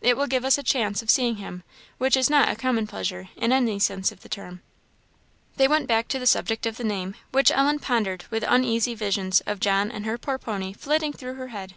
It will give us a chance of seeing him, which is not a common pleasure, in any sense of the term." They went back to the subject of the name, which Ellen pondered with uneasy visions of John and her poor pony flitting through her head.